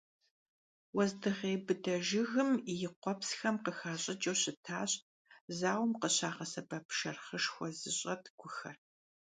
Уэздыгъей быдэ жыгым и къуэпсхэм къыхащӀыкӀыу щытащ зауэм къыщагъэсэбэп, шэрхъышхуэ зыщӀэт гухэр.